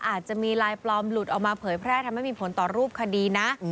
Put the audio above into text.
อาจจะมีลายปลอมหลุดออกมาเผยแพร่ทำให้มีผลต่อรูปคดีนะ